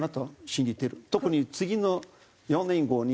特に次の４年後に。